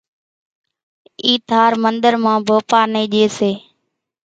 اِي ٿار منۮر مان ڀوپا نين ڄي سي